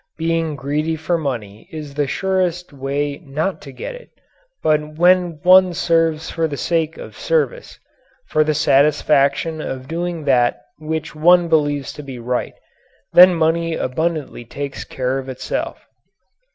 Being greedy for money is the surest way not to get it, but when one serves for the sake of service for the satisfaction of doing that which one believes to be right then money abundantly takes care of itself.